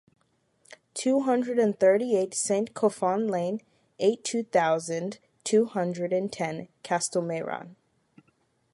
Two hundred and thirty-eight Saint-Coufan Lane, eight-two thousand two hundred and ten, Castelmayran